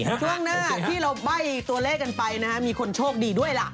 ช่วงหน้าที่เราใบ้ตัวเลขกันไปนะฮะมีคนโชคดีด้วยล่ะ